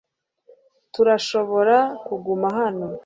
Turashobora kuguma hano .